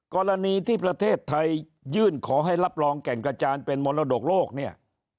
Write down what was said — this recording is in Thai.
กรณีที่ประเทศไทยยื่นขอให้รับรองแก่งกระจานเป็นมรดกโลกเนี่ย